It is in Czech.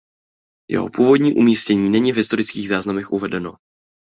Jeho původní umístění není v historických záznamech uvedeno.